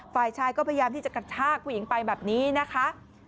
ฝ่ายชายก็พยายามที่จะกระชากผู้หญิงไปแบบนี้นะคะ